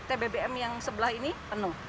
tbbm yang sebelah ini penuh